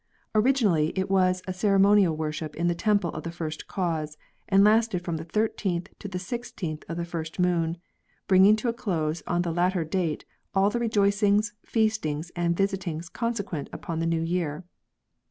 Originally it was a ceremonial worship in the temple of the First Cause, and lasted from the 13th to the 16th of the first moon, bringing to a close on the latter date all the rejoicings, f eastings, and visitings consequent upon the New Year.